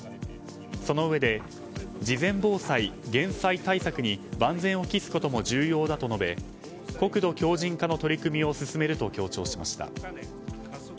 そのうえで事前防災・減災対策に万全を期すことも重要だと述べ国土強靭化の取り組みを進めると強調しました。